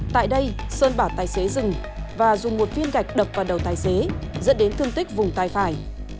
tại đây sơn bảo tài xế dừng và dùng một viên gạch đập vào đầu tài xế dẫn đến thương tích vùng tay phải